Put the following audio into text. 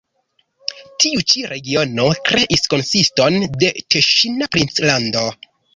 Tiu ĉi regiono kreis konsiston de teŝina princlando.